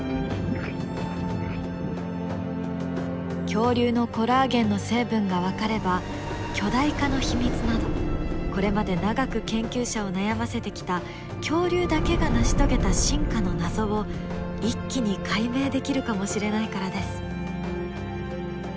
恐竜のコラーゲンの成分が分かれば巨大化の秘密などこれまで長く研究者を悩ませてきた恐竜だけが成し遂げた進化の謎を一気に解明できるかもしれないからです。